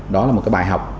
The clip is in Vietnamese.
đó là một cái bài học